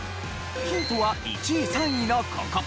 ヒントは１位３位のここ。